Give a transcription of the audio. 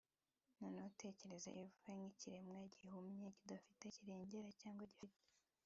noneho tekereza eva nkikiremwa gihumye, kidafite kirengera cyari gifite